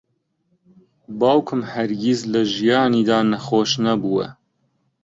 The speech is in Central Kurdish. باوکم هەرگیز لە ژیانیدا نەخۆش نەبووە.